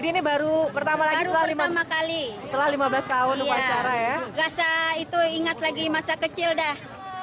iya rasa itu ingat lagi masa kecil dah